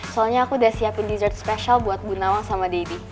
soalnya aku udah siapin dessert spesial buat bu nawang sama debbie